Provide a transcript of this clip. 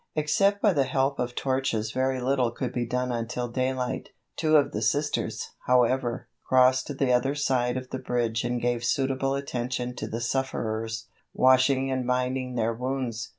Except by the help of torches very little could be done until daylight. Two of the Sisters, however, crossed to the other side of the bridge and gave suitable attention to the sufferers, washing and binding their wounds.